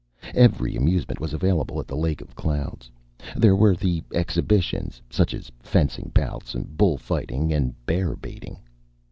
Every amusement was available at the Lake of Clouds. There were the exhibitions such as fencing bouts, bull fighting, and bear baiting.